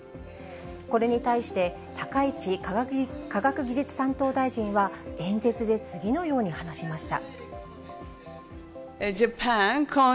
これに対して、高市科学技術担当大臣は、演説で次のように話しました。